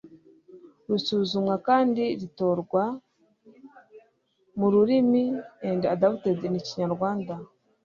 risuzumwa kandi ritorwa mu rurimi and adopted in Kinyarwanda